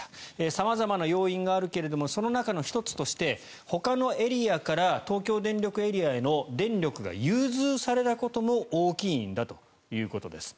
様々な要因があるけどもその中の１つとしてほかのエリアから東京電力エリアへの電力が融通されたことも大きいんだということです。